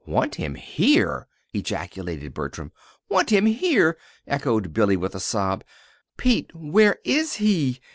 "Want him here!" ejaculated Bertram. "Want him here!" echoed Billy, with a sob. "Pete, where is he?"